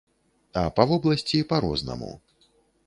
А па вобласці па-рознаму.